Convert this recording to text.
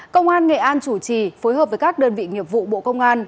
công an nghệ an chủ trì phối hợp với các đơn vị nghiệp vụ bộ công an